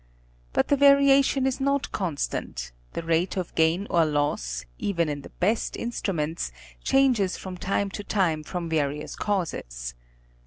But the variation is not constant, the rate of gain or loss, even in the best instruments, changes from time to time from various causes.